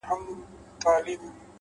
هره هڅه د بدلون څپه جوړوي’